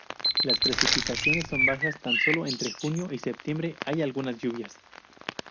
Las precipitaciones son bajas, tan solo entre junio y septiembre hay algunas lluvias.